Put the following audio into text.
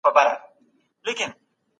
هيله د ژوند قوت دی.